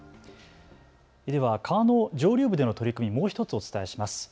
では川の上流部での取り組み、もう１つお伝えします。